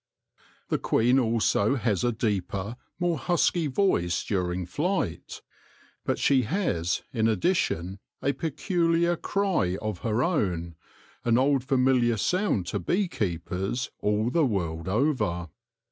The queeri also has a deeper, more husky voice during flight ; but she has, in addition, a peculiar cry of her own, an old familiar sound to bee keepers all the world over.